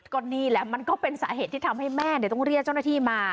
ก็นี่แหละมันก็เป็นสาเหตุที่ทำให้แม่ต้องเรียกเจ้าหน้าที่มา